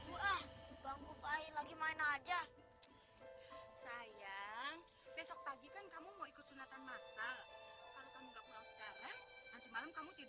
ya ampuh ini udah mau maghrib nak gak baik